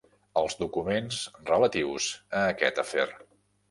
Els documents relatius a aquest afer.